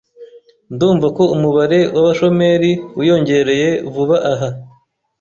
Ndumva ko umubare w'abashomeri wiyongereye vuba aha.